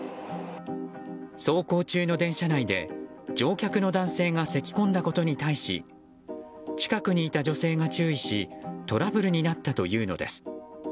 走行中の電車内で乗客の男性がせき込んだことに対し近くにいた女性が注意しトラブルになったというのです。